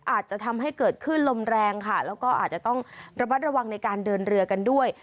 อาจจะทำให้เกิดขึ้นลมแรงค่ะแล้วก็อาจจะต้องระมัดระวังในการเดินเรือกันด้วย